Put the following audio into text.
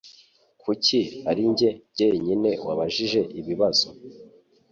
Kuki ari njye jyenyine wabajije ibibazo?